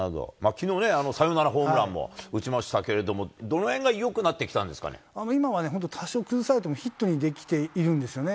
きのうね、サヨナラホームランも打ちましたけれども、どのへんがよくなって今はね、本当多少崩されてもヒットにできているんですよね。